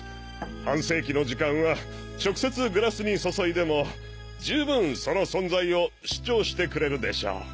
半世紀の時間は直接グラスに注いでも十分その存在を主張してくれるでしょう。